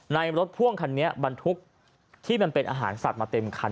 รถพ่วงคันนี้บรรทุกที่มันเป็นอาหารสัตว์มาเต็มคัน